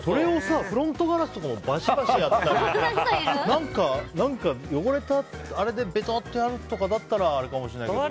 フロントガラスとかをバシバシやってたり何か汚れたあれでべとってやるとかだったらあれかもしれないけど。